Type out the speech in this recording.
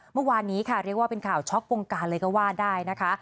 เมื่อวานนี้ค่ะเรียกว่าเป็นข่าวช็อกวงการเลยก็ว่าได้นะคะ